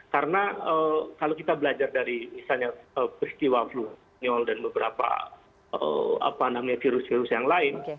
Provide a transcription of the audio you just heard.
karena kalau kita belajar dari misalnya peristiwa flu dan beberapa virus virus yang lain